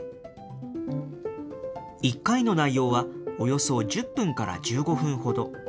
１回の内容はおよそ１０分から１５分ほど。